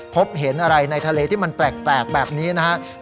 พบเห็นอะไรในทะเลที่มันแปลกแบบนี้นะครับ